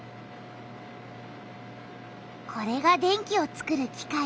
これが電気をつくる機械。